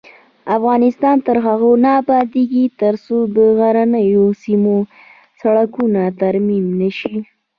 افغانستان تر هغو نه ابادیږي، ترڅو د غرنیو سیمو سړکونه ترمیم نشي.